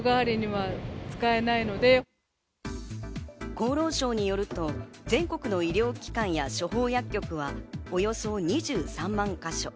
厚労省によると、全国の医療機関や処方薬局はおよそ２３万か所。